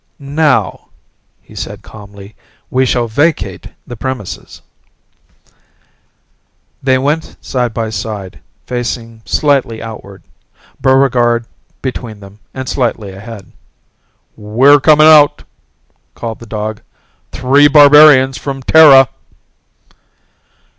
"Now," he said calmly, "we shall vacate the premises!" They went side by side, facing slightly outward, Buregarde between them and slightly ahead. "We're coming out!" called the dog. "Three Barbarians from Terra!"